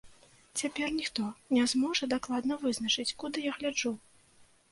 Цяпер ніхто не зможа дакладна вызначыць, куды я гляджу.